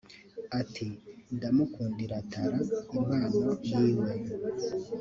Ati “ Ndamukundira Talent (impano)yiwe